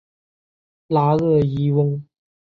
拉热伊翁。